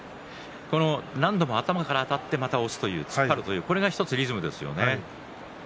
何度も頭からあたって押して突っ張るというこれが１つのリズムですね。